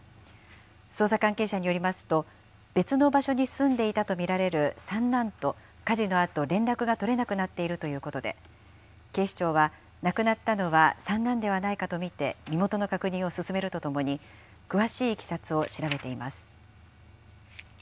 捜査関係者によりますと、別の場所に住んでいたと見られる三男と火事のあと連絡が取れなくなっているということで、警視庁は、亡くなったのは、三男ではないかと見て身元の確認を進めるとともに、詳しいいきさつを調べています。